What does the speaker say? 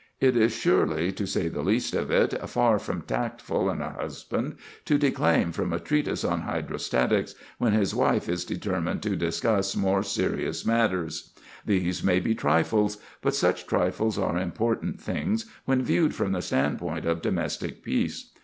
It is surely, to say the least of it, far from tactful in a husband to declaim from a treatise on hydrostatics, when his wife is determined to discuss more serious matters. These may be trifles; but such trifles are important things, when viewed from the standpoint of domestic peace.